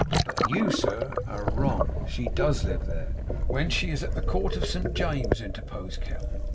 But, sir, you air wrong. She DOES live there ' 'When she is at the Court of Saint James's,' interposed Kettle.